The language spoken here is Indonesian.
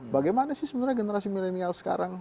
bagaimana sih sebenarnya generasi milenial sekarang